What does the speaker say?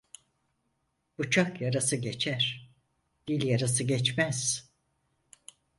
Bıçak yarası geçer, dil yarası geçmez.